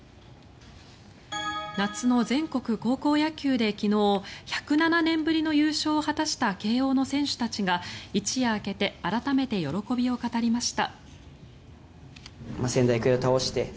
夏の全国高校野球で昨日１０７年ぶりの優勝を果たした慶応の選手たちが一夜明けて改めて喜びを語りました。